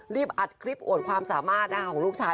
อัดคลิปอวดความสามารถของลูกชาย